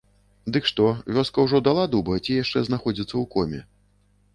Дык што, вёска ўжо дала дуба ці яшчэ знаходзіцца ў коме?